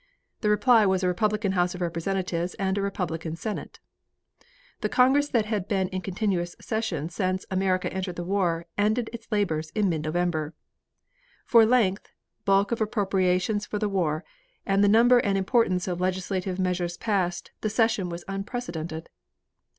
The reply was a Republican House of Representatives and a Republican Senate. The Congress that had been in continuous session since America entered the war, ended its labors in mid November. For length, bulk of appropriations for the war and the number and importance of legislative measures passed, the session was unprecedented.